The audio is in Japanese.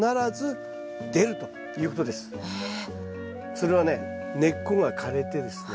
それはね根っこが枯れてですね